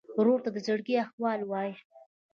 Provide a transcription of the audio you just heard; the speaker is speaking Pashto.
ورور ته د زړګي احوال وایې.